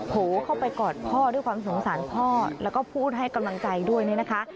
โหเข้าไปกอดพ่อด้วยความสงสารพ่อแล้วก็พูดให้กำลังใจด้วยเนี่ยนะคะ